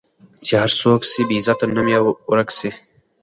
چي هر څوک سي بې عزته نوم یې ورک سي